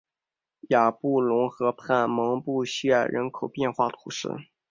雅布龙河畔蒙布谢尔人口变化图示